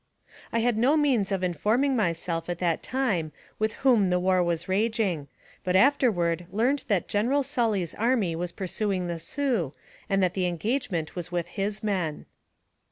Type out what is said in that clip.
I had no means of informing myself at that time with whom the war was raging, but afterward learned that General Sully's army was pur suing the Sioux, and that the engagement was with his men.